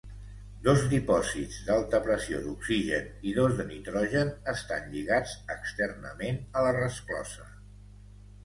Dos dipòsits d'alta pressió d'oxigen i dos de nitrogen estan lligats externament a la resclosa.